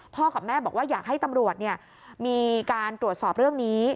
กับแม่บอกว่าอยากให้ตำรวจมีการตรวจสอบเรื่องนี้